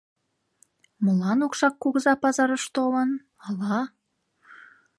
Молан окшак кугыза пазарыш толын, ала?